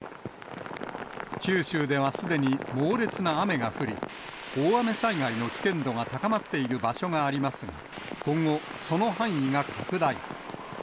九州ではすでに猛烈な雨が降り、大雨災害の危険度が高まっている場所がありますが、今後、その範囲が拡大。